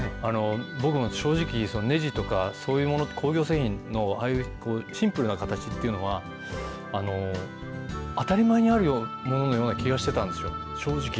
僕も正直、ねじとかそういうもの、工業製品のああいうシンプルな形っていうのは、当たり前にあるもののような気がしてたんですよ、正直。